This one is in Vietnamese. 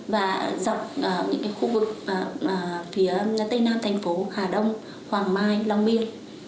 và dọc những khu vực phía tây nam thành phố hà đông hoàng mai long biên